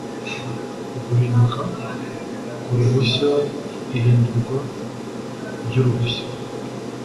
uguhinduka ku ruhushya ihindurwa ryuruhushya